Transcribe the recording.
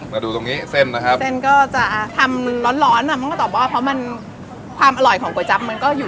มาดูตรงนี้เส้นนะครับ